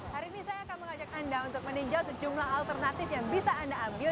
hari ini saya akan mengajak anda untuk meninjau sejumlah alternatif yang bisa anda ambil